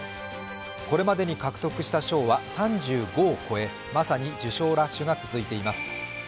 これまでに獲得した賞は３５を超えまさに受賞ラッシュが続いています。